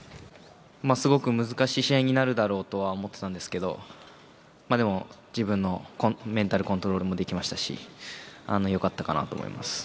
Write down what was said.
すごく難しい試合になるだろうなとは思っていたんですけど、自分のメンタルコントロールもできましたし、よかったかなと思います。